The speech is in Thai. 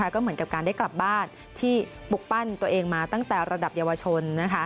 ก็เหมือนกับการได้กลับบ้านที่ปลุกปั้นตัวเองมาตั้งแต่ระดับเยาวชน